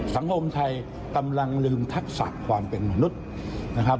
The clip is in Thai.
สังคมไทยกำลังลืมทักษะความเป็นมนุษย์นะครับ